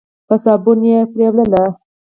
په صابون مینځلې.